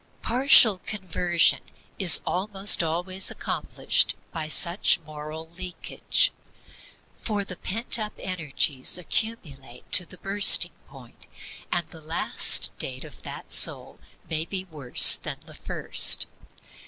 Partial conversion is almost always accompanied by such moral leakage, for the pent up energies accumulate to the bursting point, and the last state of that soul may be worse than the first.